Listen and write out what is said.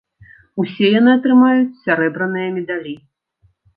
Усе яны атрымаюць сярэбраныя медалі.